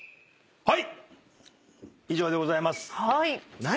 はい。